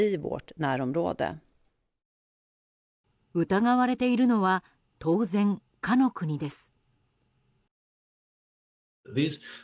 疑われているのは当然、かの国です。